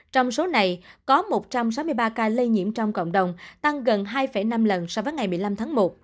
trong số này có một trăm sáu mươi ba ca lây nhiễm trong cộng đồng tăng gần hai năm lần so với ngày một mươi năm tháng một